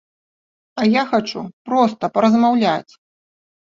А я хачу проста паразмаўляць!